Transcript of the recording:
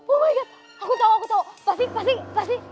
oh my god aku tau aku tau pasti pasti pasti